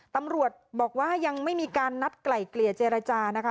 ตำรวจบอกว่ายังไม่มีการนัดไกล่เกลี่ยเจรจานะคะ